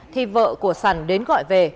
thì vợ của sẵn đến gọi về